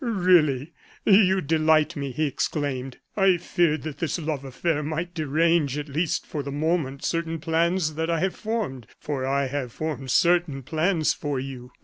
"Really, you delight me!" he exclaimed. "I feared that this love affair might derange, at least for the moment, certain plans that I have formed for I have formed certain plans for you."